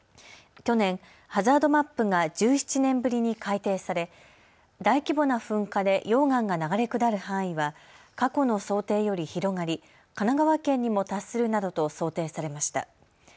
去年、ハザードマップが１７年ぶりに改定され大規模な噴火で溶岩が流れ下る範囲は過去の想定より広がり神奈川県にも達するなどと想定されました。